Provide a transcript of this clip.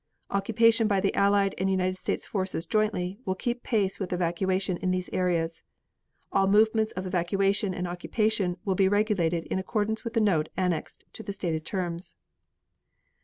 Occupation by the Allied and United States forces jointly will keep pace with evacuation in these areas. All movements of evacuation and occupation will be regulated in accordance with a note annexed to the stated terms.